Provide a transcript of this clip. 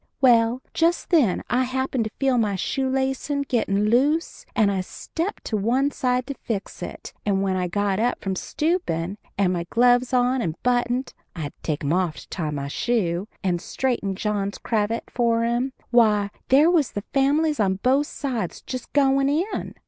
Well, just then I happened to feel my shoelacin' gettin' loose and I stepped to one side to fix it; and when I got up from stoopin' and my gloves on and buttoned I had to take 'em off to tie my shoe and straightened John's cravat for him, why, there was the families on both sides just goin' in.